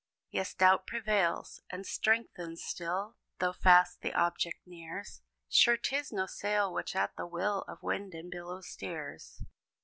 Yes, doubt prevails, and strengthens still, Though fast the object nears. "Sure 'tis no sail which at the will Of winds and billows steers!"